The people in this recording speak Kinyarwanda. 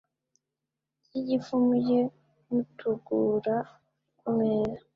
ry’igifu, mujye mutugura ku meza